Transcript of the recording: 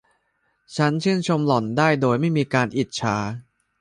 ฉันชื่นชมหล่อนได้โดยไม่มีการอิจฉา